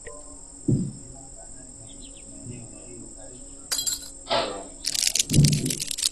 viwanda Ndani ya jiji maeneo yaliyo karibu na vyanzo vikubwa yanaweza